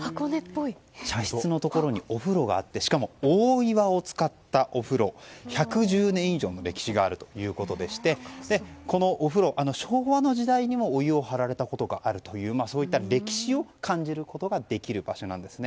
茶室のところにお風呂があってしかも、大岩を使ったお風呂１１０年以上の歴史があるということでしてこのお風呂、昭和の時代にもお湯が張られたことがあるというそういった歴史を感じることができる場所なんです。